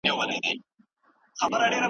په اسمان کې د داسې لویو ډبرو ټکر ډېر کم پېښېږي.